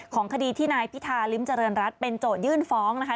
ของคดีที่นายพิธาริมเจริญรัฐเป็นโจทยื่นฟ้องนะคะ